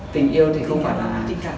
tình yêu thì không phải là